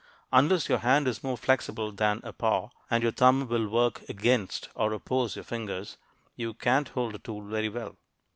Unless your hand is more flexible than a paw, and your thumb will work against (or oppose) your fingers, you can't hold a tool very well.